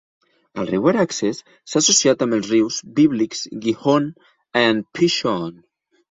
El riu Araxes s'ha associat amb els rius bíblics Gihon and Pishon.